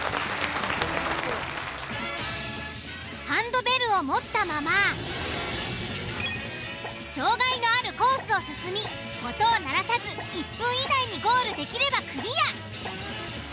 ハンドベルを持ったまま障害のあるコースを進み音を鳴らさず１分以内にゴールできればクリア。